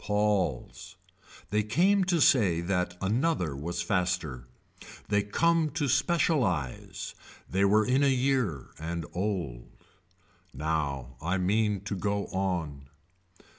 Paul's. They came to say that another was faster. They come to specialize. They were in a year and old. Now I mean to go on.